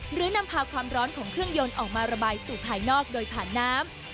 หรือนำพาความร้อนของเครื่องยนต์ออกมาระบายสู่ภายนอกโดยผ่านน้ำ